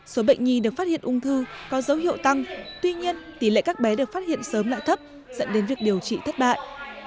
số bệnh nhi được phát hiện ung thư có dấu hiệu tăng tuy nhiên tỷ lệ các bé được phát hiện sớm lại thấp dẫn đến việc điều trị thất bại